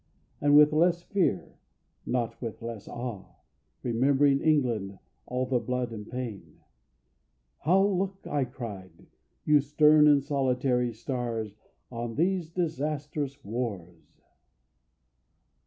And with less fear (not with less awe, Remembering, England, all the blood and pain) How look, I cried, you stern and solitary stars On these disastrous wars!